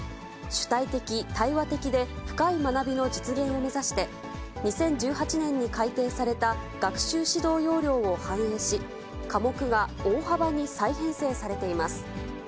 主体的・対話的で深い学びの実現を目指して、２０１８年に改訂された学習指導要領を反映し、科目が大幅に再編成されています。